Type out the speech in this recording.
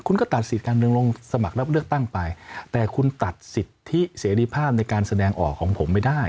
คุณก็ตัดสิทธิ์การเมืองลงสมัครรับเลือกตั้งไปแต่คุณตัดสิทธิเสรีภาพในการแสดงออกของผมไม่ได้